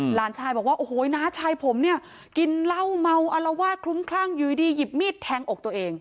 หลานชายบอกว่าโอ้โหน้าชายผมเนี่ยกินเหล้าเมาอารวาสคลุ้มคลั่งอยู่ดีหยิบมีดแทงอกตัวเอง